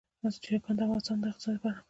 چرګان د افغانستان د اقتصاد برخه ده.